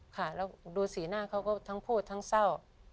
ค่ะแล้วดูสีหน้าเขาก็ทั้งพูดทั้งเศร้า